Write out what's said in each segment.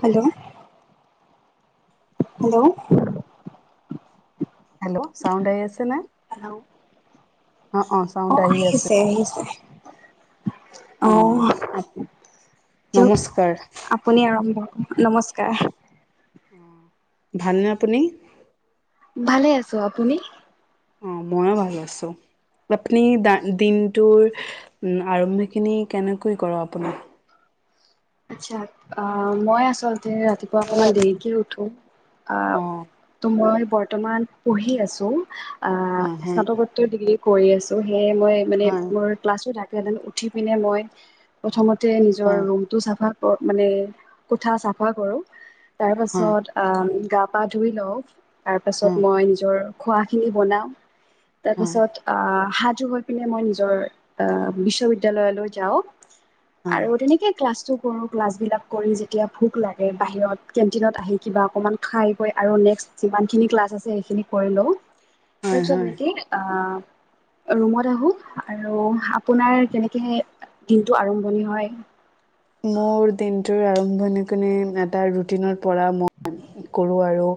Hello hello hello চাউণ্ডটো আহিছে নে? অ অ চাউণ্ড অঁ আহি আছে আহিছে আহিছে। অ। অহ দিয়ক নমস্কাৰ আপুনি আৰম্ভ নমস্কাৰ। ভালনে আপুনি? ভালে আছো। আপুনি? অঁ ময়ো ভাল আছোঁ। আপুনি দা দিনটোৰ আৰম্ভ খিনি কেনেকৈ কৰ আপুনি আচ্ছা অ মই আচলতে ৰাতিপুৱা অকনমান দেৰিকে উঠো। আহ অ ত মই বৰ্তমান পঢ়ি আছো। অ আঁহ হয় স্নাতকোত্তৰ ডিগ্ৰী কৰি আছো সেয়ে মই মানে হয় মোৰ ক্লাছো থাকে। উঠি পিনে মই প্ৰথমতে নিজৰ হয় ৰুম। ফা কৰঁ মানে কোঠা চাফা কৰোঁ হয় তাৰপাছত আ ম। গা পা ধুই লওঁ তাৰপাছত হয় মই নিজৰ খোৱাখিনি বনাওঁ হয় তাৰপিছত আঁ। হৈ পিনে মই নিজৰ আহ বিশ্ববিদ্যালয়লৈ যাওঁ হয় আৰু তেনেকে। ক্লাচ টো কৰো ক্লাছবিলাক কৰি যেতিয়া ভোক লাগে বাহিৰত কেণ্টিনত আহি কিবা অকণমান খাই গৈ আৰু নেক্সট যিমানখিনি ক্লাছ আছে সেইখিন কৰি লও হয় তাৰপিছত হয়। হেনেকেই আ ৰুমত আহো আৰু আপোনাৰ কেনেকে হে দিনটো আৰম্ভণি হয়। মোৰ দিনটোৰ আৰম্ভণিনে এটা ৰুটিনৰ পৰা ম কৰো আৰু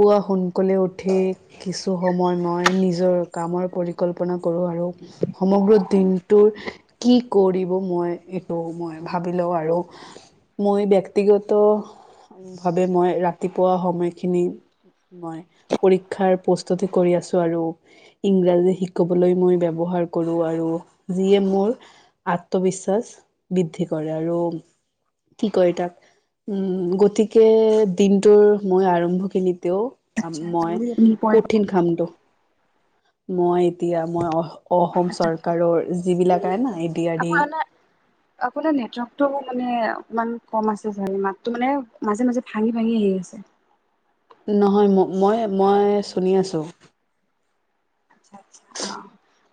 পুৱা সোনকালে উঠি কিছু সময় মই নিজৰ কা কামৰ পৰিকল্পনা কৰো আৰু সমগ্ৰ দিনটোৰ কি কৰিব মই সেইটো মই ভাবি লওঁ আৰু মই ব্যক্তিগত ভাবে মই ৰাতিপুৱা সময়খিনি মই পৰীক্ষাৰ প্ৰস্তুতি কৰি আছো আৰু ইংৰাজী শিকবলৈ মই ব্যাৱহাৰ হয় কৰো আৰু যিয়ে মোৰ আত্মবিশ্বাস বৃদ্ধি। কৰে আৰু কি কয় তাক উম গতিকে দিনটোৰ মই আৰম্ভ খিনিতেও আচ্ছা মই কঠিন কামটো মই এতিয়া মই অ। অসম চৰকাৰৰ যিবিলাক আইন এডি আৰ ই আপোনাৰ আপোনাৰ নেটৱৰ্কটো মানে ইমান কম আছে চাৰ মাততটো মানে মাজে মাজে ভাঙি ভাঙি আহি আছে নহয় ম মই মই চুনি আছো আ আ অ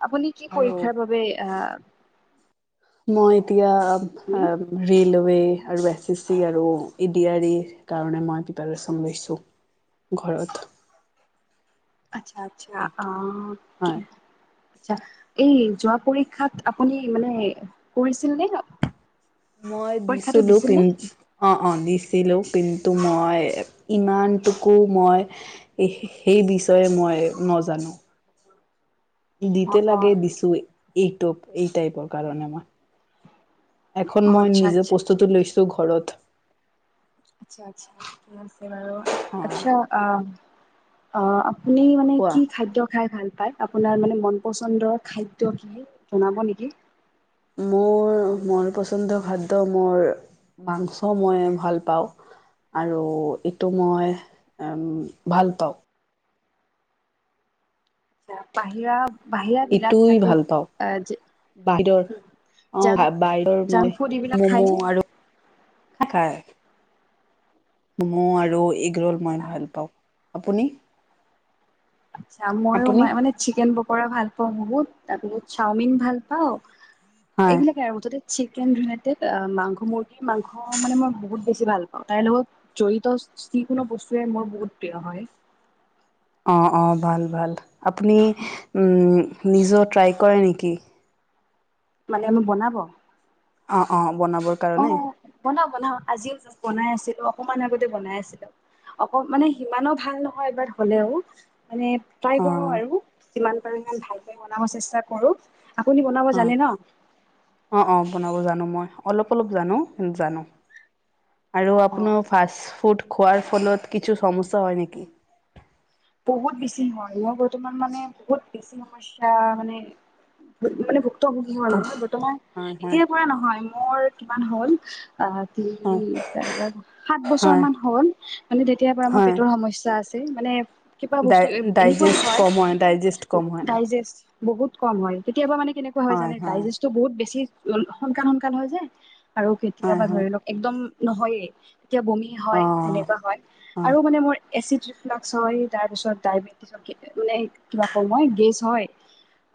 আপুনি কি আৰু পৰীক্ষাৰ বাবে আহ মই এতিয়া আপুনি ৰিলো ৱে আৰু এছ চি চি আৰু এডি আৰ ই ৰ কাৰনে পিপাৰেচন কৰিছো ঘৰত আচ্ছা আচ্ছা এইটো অ হয় আচা এই যোৱা পৰীক্ষাত আপুনি মানে কৰিছিল নে? মই পৰীক্ষাটো দিছিলো দিছিল কিন নে? অ অ দিছিলো কিন তো মই ইমানটোকো মই সেই বিশয়ে মই নজানো। [inaudible] দিতে অ', অ', লাগে দিছো এইটোপ এই টাইপৰ কাৰণে মই এখন অ', মই আচ্ছা নিজে আচ্ছা প্ৰস্তুতি লৈছো ঘৰত অ আচ্ছা আ অহ আপুনি মানে কোৱা কি খাদ্য খাই ভাল পায় আপোনাৰ মানে মন পচন্দৰ খাদ্য কি জনাব নেকি? মোৰ মন পচন্দ খাদ্য মোৰ মাংস মই ভাল পাওঁ, আৰু এইটো মই ভাল পাওঁ বাহিৰা বাহিৰা বিলাক ইটোই থাকে ভাল পাওঁ আহ বাহিৰৰ অ জাংক বাইিৰৰ জাংক মই ফুড এইবিলাক খায়নে? মম' আৰু খা খাই মম' আৰু এগ আচ্ছা ৰোল মই আচ্ছা। ভাল পাওঁ আপুনি আঁ মইয়ো আপুনি মানে চিকেন পকৰা ভাল পাওঁ বহুত তাৰ পিছত চাওমিন ভাল পাওঁ হয় এইবিলাকে আৰু মুঠতে। চিকেন মাংস মূৰ্গি মাংস মানে মই বহুত বেছি ভাল পাওঁ তাইৰ লগত জড়িত যিকোনো বস্তুৱে মোৰ বহুত প্ৰিয় হয় অ অ ভাল ভাল আপুনি নি নিজৰ ট্ৰাই কৰে নেকি? মানে আমি বনাব। অ' অঁ বনাবৰ কাৰণে বহনাও আজিও বনাই আছিলো অকমান আগতে বনাই আছিলো অক মানে সিমানো ভাল নহয় এবাৰ হলেও মানে ট্ৰাই কৰো অঁ আৰু যিমান পাৰে ইমান ভালকৈ বনাব চেষ্টা কৰো আপুনি বনাব হয় জানে ন? অঁ অঁ বনাব জানো মই অলপ অলপ জানো উম জানো আৰু অ অ আপোনাৰ ফাষ্ট ফুদ খোৱাৰ ফলত কিছু সমস্যা হয় নেকি? বহুত বেছি হয় মোৰ বৰ্তমান মানে বহুত বেছি সমস্যা মানে মানে ভুক্তভোগী হল মই বৰ্তমান হয় হয় এতিয়াৰ পৰা নহয় মোৰ কিমান হ'ল অ হয় তিনি চাৰিব সাত বছৰ হয় মান হ'ল মানে তেতিয়াৰ পৰাৰ আমাৰ হয় পেটৰ সমস্যা আছে। যে মানে কিবা ডাই বস্তু এনেকুৱা ডাইজেষ্ট হয় কম ডাইজেষ্ট কম হয় ডাইজেষ্ট বহুত কম হয় কেতিয়াবা মানে কেনেকুৱা হয় জানে ডাইজেষ্টটো বহুত বেছি সোনকাল সোনকাল হয় যে আৰু হয় কেতিয়াবা হয় ধৰি লওক একদম নহয়ে এতিয়া বমি হয় অঁ তেনেকুৱা হয় হয় আৰু মানে মোৰ এচিড ৰিফ্লোক্স হয় তাৰ পিছত ডায়বেটিছ মানে কিবা কম হয় গেছ হয়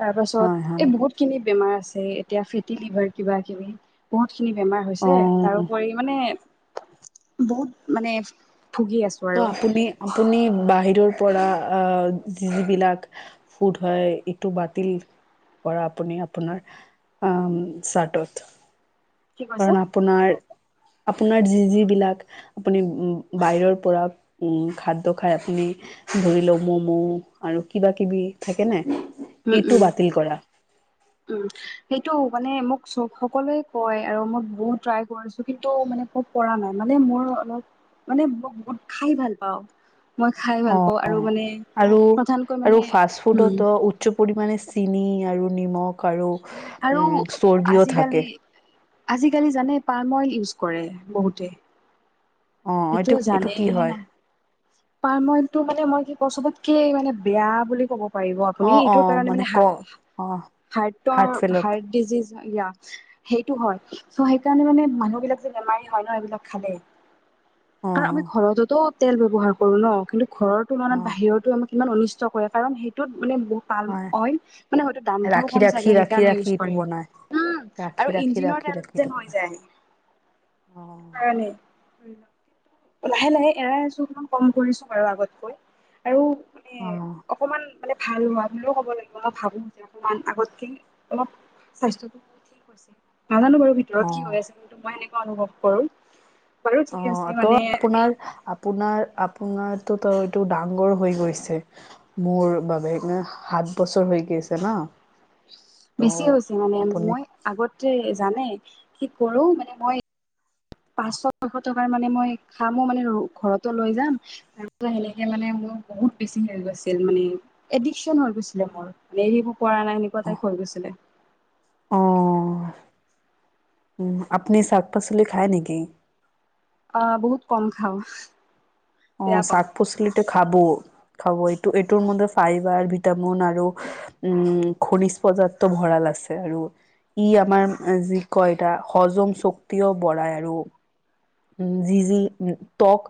তাৰ পাছত হয় এই হয় বহুত খিনি বেমাৰ আছে এতিয়া ফেটি লিভাৰ কিবা কিবি বহুত। বহুত খিনি বেমাৰ হৈছে অ', তাৰোপৰি মানে বহুত মানে ভুগি আছো ত' আৰু আপুনি আপুনি বাহিৰৰ পৰা আহ যিবিলাক ফুড হয় এইটো বাতিল কৰা আপুনি আপোনাৰ আঁ চাডত কি কৈছে কাৰণ আপোনাৰ আপোনাৰ যি - যিবিলাক আপুনি উম বাহিৰৰ পৰা উম খাদ্য খাই আপুনি ধৰি লওঁ ম'ম' আৰু কিবা-কিবি থাকে নে? উম - এইটো উম। বাতিল কৰা উম। সেই টো মানে মোক চব- সকলোৱে কয়। আৰু মই বহুত ট্ৰাই কৰিছোঁ, কিন্তু মানে খুব পৰা নাই। মানে মোৰ অলপ মানে- ব- বহুত খাই ভাল পাওঁ। মই খাই ভাল পাওঁ আৰু অ', মানে, আৰু প্ৰধানকৈ আৰু মানে, ফাষ্ট উম ফুডতো উচ্চ পৰিমাণে চেনি আৰু নিমখ আৰু আৰু উম চৰ্বিও থাকে আজিকালি আজিকালি জানে পাম অইল ইউজ কৰে বহুতে। অ এইটো জানেই কি নিয়ে হয় না। পাম অইলটো মানে মই কি কওঁ, চবতকে মানে বেয়া বুলি ক'ব পাৰিব আপুনি। অ অ এইটোৰ কাৰণে মানে ক হা- অ হাৰ্টৰ হাৰ্ট ডিজিজ, য়া সেইটো হয়। ছো সেইকাৰণে মানে মানুহবিলাক যে বেমাৰী হয় ন', এইবিলাক খালে। অ অ কাৰণ আমি ঘৰততো তেল ব্যৱহাৰ কৰো ন', কিন্তু ঘৰৰ তুলনাত বাহিৰতো আমাক ইমান অনিষ্ট কৰে। কাৰণ সেইটোত মানে বহুত পাল হয় মানে হয়তো দামটোও ৰাখি কম ৰাখি চাগে। ৰাখি সেইকাৰণে ৰাখি ইউজ ইটো কৰি বনাই ৰাখি আৰু ৰাখি ইঞ্জিনৰ ৰাখি তেল ৰাখি যেন ইটো হৈ বনাই যায়। অ হয়, এনে। লাহে - লাহে এৰাই আছোঁ। অকমান কম কৰিছোঁ বাৰু আগতকৈ। আৰু মানে অ অকমান মানে ভাল হোৱা বুলিও ক'ব লাগিব। ভাবো যে অকমান আগতকে অলপ স্বাস্থ্যটো ঠিক হৈছে। নাজানোঁ বাৰু ভিতৰত অ কি হৈ আছে, কিন্তু মই এনে কুৱা অনুভৱ কৰোঁ। অ'। তো আপোনাৰ- আপোনাৰ- আপোনাৰ টোতো এইটো ডাঙৰ হৈ গৈছে। মোৰ বাবে সাত বছৰ হৈ গৈছে ন', [inaudible] বেছি হৈছে মানে মই আগতে জানে কি কৰো মানে মই পাঁচশ ছয়শটকাৰ মানে মই খামো মানে ঘৰতো লৈ যাম তাৰপিছত সেনেকে মানে। বহুত বেছি হৈ গৈছিল মানে এডিকচন হৈ গৈছিলে মোৰ মেব পৰা নাই এনেকুৱা টাইপ হৈ গৈছিলে। উম, আপুনি ছাক-পাচলি খায় নেকি? অ' বহুত কম খাওঁ। বেয়া অ' পাওঁ ছাক-পোচলিতো খাব। খাব এইটো এইটোৰ মতে ফাইবাৰ ভিটামিন আৰু উম খনিজ পদাৰ্থ ভৰাল আছে আৰু ই আমাৰ যি কয় টা হজম শক্তিও বঢ়ায় আৰু উম যি - যি ত্বক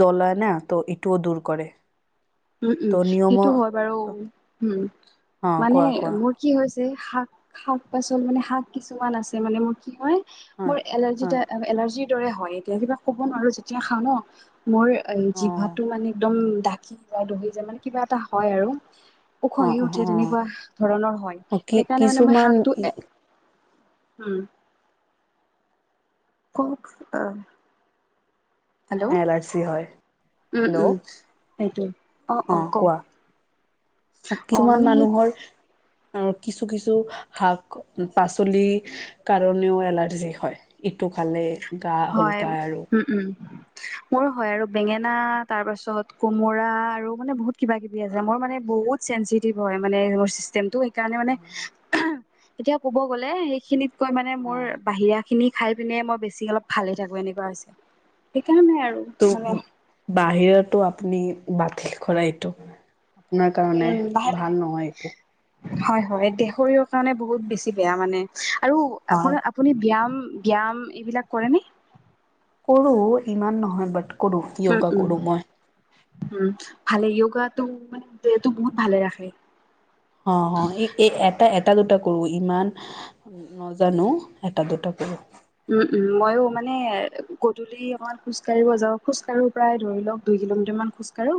জ্বলাই না? তো এইটোও দূৰ কৰে। উম - ত উম, নিয়ম সেইটো হয় বাৰু। অ উম, মানে কোৱা কোৱা মোৰ কি হৈ ছে শাক- শাক- পাচলি মানে, শাক কিছুমান আছে মানে মোৰ কি হয় হয় মোৰ এলাৰ্জি হয় টা- এলাৰ্জিৰ দৰে হয় এতিয়া। কিবা ক'ব নোৱাৰোঁ যেতিয়া খাওঁ ন' মোৰ অ জিভাটো মানে একদম দাকি যায় দহি যায় মানে কিবা এটা হয় আৰু। অ উখহি আহি অ উঠে। অ তেনেকুৱা ধৰণৰ হয়। অ কি সেইকাৰণে মানে মই কিছুমান শাকটো এ উম। কওঁক অ'। হেল্ল'? এলাৰ্জি হয় উম - হেল্ল' উম, সেইটো। অ কোৱা অ কিছুমান মানে সেই মানুহৰ। আৰু কিছু - কিছু শাক - পাচলি কাৰণেও এলাৰ্জি হয়। ইটো খালে গা হয়, হলকাই আৰু উম - উম। মোৰো হয় আৰু। বেঙেনা, তাৰ পাছত কোমোৰা, আৰু মানে বহুত কিবা-কিবি আছে। মই মানে ব বহুত ছেনছিটিভ হয়, মানে মোৰ ছিষ্টেমটো। সেইকাৰণে মানে এতিয়া কব গ'লে, সেইখিনিতকৈ মানে মোৰ বাহিৰাখিনি খাইপিনে, মই বেছি অলপ ভালে থাকোঁ এনেকুৱা হৈছে। সেইকাৰণে আৰু টোক মানে বাহিৰৰটো আপুনি বাতিল কৰা এইটো। আপোনাৰ কাৰণে উম লাহে লাহে ভাল নহয় এইটো। হয় হয় দেহ শৰীৰৰ কাৰণে বহুত বেছি বেয়া মানে আৰু হয় আপোনাৰ আপুনি ব্যায়াম। ব্যাম এইবিলাক কৰে নে? কৰো ইমান নহয় বাট কৰো উম য়োগা উম কৰো মই। উম ভালে, য়োগাটো মানে দেহটো বহুত ভালে ৰাখে। অ' - অ', এ- এটা- এটা-দুটা কৰোঁ। ইমান নজানো। এটা- দুটা কৰোঁ। উম - উম, ময়ো মানে গধূলি অকমান খোজকাঢ়িব যাওঁ। খোজকাঢ়ো প্ৰায় ধৰি লওঁক, দুই কিলোমিটাৰ মান খোজকাঢ়ো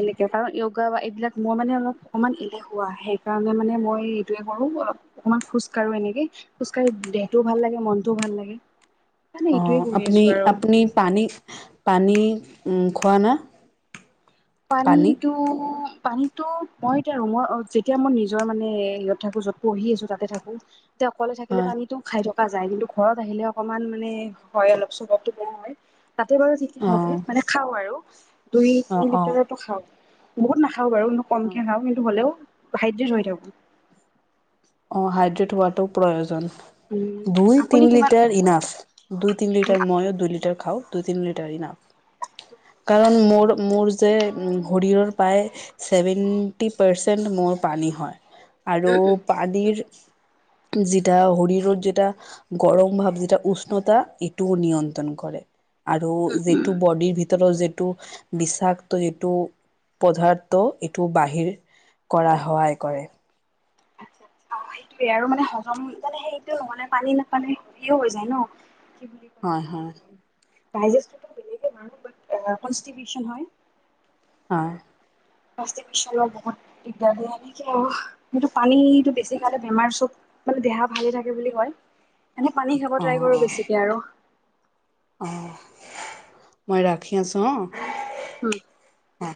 এনেকে কাৰন। কা বা এইবিলাক মই মানে অলপ- অকণমান এলেহুৱা, সেইকাৰণে মানে মই এইটোৱে কৰোঁ, অ- অকমান খোজ কাঢ়ো এনেকে। খোজ কাঢ়ি দেহটোও ভাল লাগে, মনটোও ভাল লাগে। সেইকাৰণে এইটোৱে অ' কৰি আছো আপুনি- আৰু আপুনি পানী- পানী উম খোৱা না পানী পানীটো। পানীতো মই এতিয়া ৰুমৰ যেতিয়া মই নিজৰ মানে হেৰিয়ত থাকো য'ত পঢ়ি আছো তাতে থাকো তেতিয়া অকলে থাকিলে হয় পানীটো খাই দিও যায় কিন্তু ঘৰত আহিলে অকমান মানে হয় অলপ চলপো বম হয় তাতে বাৰু ঠিকেই অ আছে মানে খাওঁ আৰু। দুই অ তিনি অ লিটাৰো খাওঁ বহুত নাখাওঁ বাৰু অ কমকে খাওঁ কিন্তু হ'লেও ভাইটিৰ হয় তেওঁ অ হাইড্ৰেট ৱাটোও উম প্ৰয়োজন দুই আপুনি তিনি কিমান লিটাৰ ইনাফ দুই তিনি লিটাৰ ময়ো দুই লিটাৰ খাও দুই তিনি লিটাৰ ইনাফ কাৰণ মোৰ মোৰ যে শৰীৰৰ প্ৰায় ছেভেন্টি পাৰ্চেণ্ট মোৰ পানী হয় উম উম খদিৰ যেটা শৰীৰৰ যে এট গৰম ভাৱ যে উষ্ণতা এইটো নিয়ন্ত্ৰণ কৰে আৰু যিটো বডিৰ ভিতৰত যে এইটো বিষাক্ত যিটো পদাৰ্থ এইটো বাহিৰ কৰাত সহায় কৰে [inaudible] অঁ সেইটোয়ে আৰু মানে হজম মানে সেইটো নহলে পানী নাপালে হেৰিও হৈ যায় ন কি বুলি কলে হয় তোক। হয় তা ই যে [unintelligible] হয় বহুত দিগদাৰ এনেকে আৰু সেইটো পানীটো বেছি খালে বেমাৰ চব মানে দেহা ভালে থাকে বুলি কয় এনে পানী খাব ট্ৰাই কৰো বেছিকে আৰু অঁ মই ৰাখি আছোঁ অ উম অ